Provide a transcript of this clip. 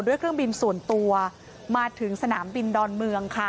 เครื่องบินส่วนตัวมาถึงสนามบินดอนเมืองค่ะ